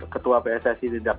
ketua pssi tidak